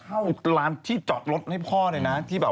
เพราะว่าคุณปัญญาก็มาคุยกับพี่ตุ๊กกี้ว่าเราอยากให้โอกาสลองเด็กใหม่มามีบทบาท